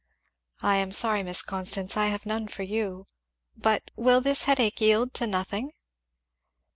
"I am sorry, Miss Constance, I have none for you. But will this headache yield to nothing?"